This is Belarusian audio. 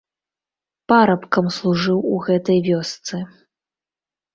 Парабкам служыў у гэтай вёсцы.